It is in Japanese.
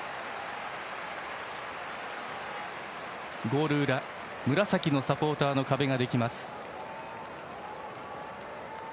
ゴール裏紫のサポーターの壁ができます。